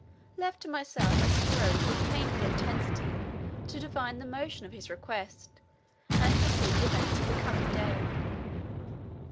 Left to myself, I strove with painful intensity to divine the motive of his request and foresee the events of the coming day.